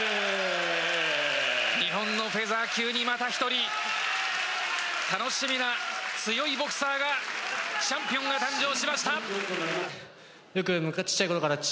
日本のフェザー級にまた一人楽しみな強いボクサーがチャンピオンが誕生しました。